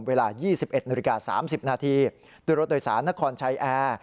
เวลา๒๑๓๐นด้วยรถโดยสารนครชัยแอร์